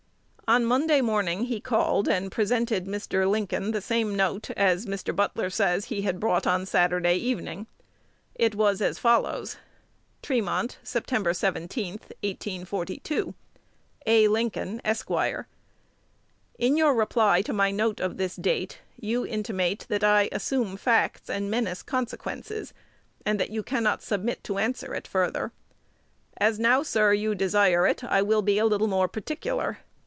On Monday morning he called and presented Mr. Lincoln the same note as, Mr. Butler says, he had brought on Saturday evening. It was as follows: Tremont, Sept. 17, 1842. A. Lincoln, Esq. In your reply to my note of this date, you intimate that I assume facts and menace consequences, and that you cannot submit to answer it further. As now, sir, you desire it, I will be a little more particular.